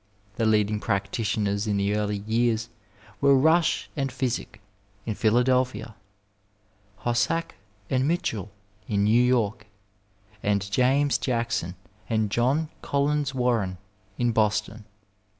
The leading practitioners in the early years were Rush and Physick, in Philadelphia; Hosack and Mitchill, in New York ; and James Jackson and John Collins Warren, in Boston.